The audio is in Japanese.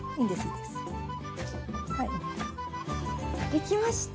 できました！